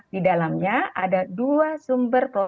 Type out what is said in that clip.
di dalamnya ada dua sumber